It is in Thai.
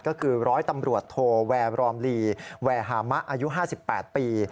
ก็คือร้อยตำรวจโทแวร์บรอมลีแวร์ฮามะอายุ๕๘ปี